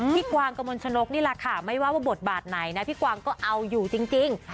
พี่กวางกับมนต์ชนกนี่แหละค่ะไม่ว่าบทบาทไหนพี่กวางก็เอาอยู่จริง